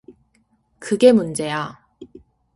그게 문제야.